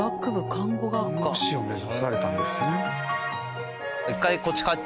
看護師を目指されたんですね。